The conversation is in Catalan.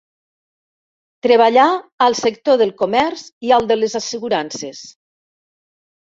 Treballà al sector del comerç i al de les assegurances.